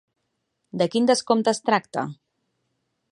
De quin descompte es tracta?